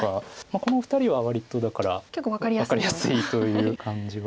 このお二人は割とだから分かりやすいという感じはします。